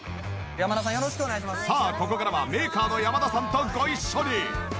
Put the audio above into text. さあここからはメーカーの山田さんとご一緒に。